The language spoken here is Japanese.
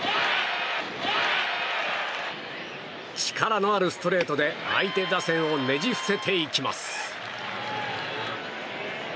力のあるストレートで相手打線をねじ伏せていきます。